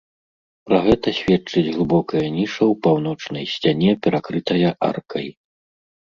Пра гэта сведчыць глыбокая ніша ў паўночнай сцяне, перакрытая аркай.